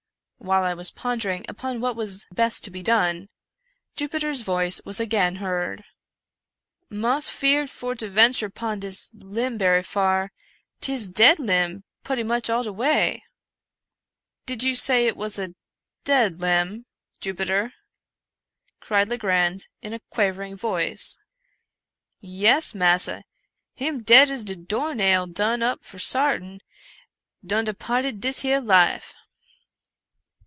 While I was pondering upon what was best to be done, Jupiter's voice was again heard. " Mos feered for to ventur pon dis limb berry far — 'tis dead limb putty much all de way." " Did you say it was a dead limb, Jupiter ?" cried Le grand in a quavering voice. " Yes, massa, him dead as de door nail — done up for sartin — done departed dis here life."